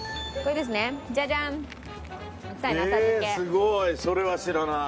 すごい。それは知らない。